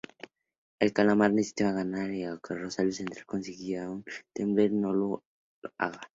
El Calamar necesitaba ganar, y que Rosario Central consiga que Temperley no lo haga.